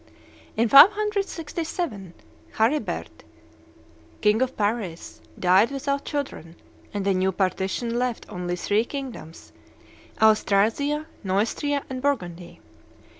In 567, Charibert, king of Paris, died without children, and a new partition left only three kingdoms, Austrasia, Neustria, and Burgundy.